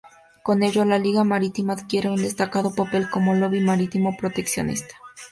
Con ello, la Liga Marítima adquiere un destacado papel como lobby marítimo proteccionista.